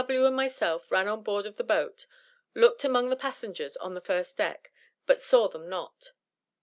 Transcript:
W. and myself ran on board of the boat, looked among the passengers on the first deck, but saw them not.